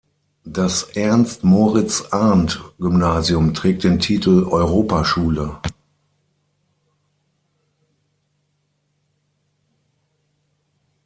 Das Ernst-Moritz-Arndt-Gymnasium trägt den Titel Europaschule.